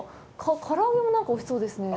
唐揚げも、なんかおいしそうですね。